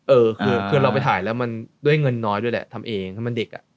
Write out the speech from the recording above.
เออคือเราไปถ่ายแล้วมันด้วยเงินน้อยด้วยแหละทำเองให้มันเด็กอ่ะ